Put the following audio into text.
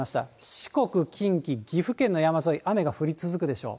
四国、近畿、岐阜県の山沿い、雨が降り続くでしょう。